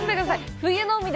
冬の海で